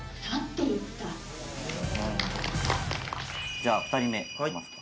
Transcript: じゃあ２人目いきますか。